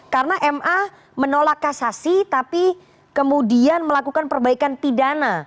karena ma menolak kasasi tapi kemudian melakukan perbaikan pidana